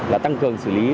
là tăng cường xử lý